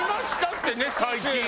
ってね最近。